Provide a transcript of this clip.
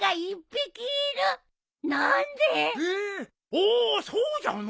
おおそうじゃのう。